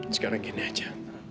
sekarang gini aja